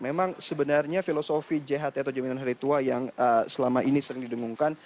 memang sebenarnya filosofi jht atau jaminan hari tua yang selama ini sering didengungkan